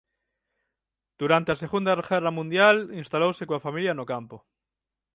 Durante a Segunda Guerra Mundial instalouse coa familia no campo.